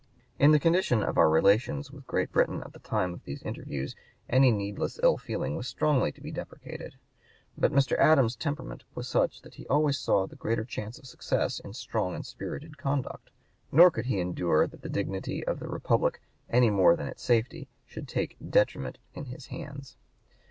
In the condition of our relations with Great Britain at the time (p. 148) of these interviews any needless ill feeling was strongly to be deprecated. But Mr. Adams's temperament was such that he always saw the greater chance of success in strong and spirited conduct; nor could he endure that the dignity of the Republic, any more than its safety, should take detriment in his hands.